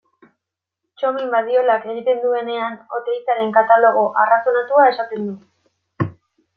Txomin Badiolak egiten duenean Oteizaren katalogo arrazonatua esaten du.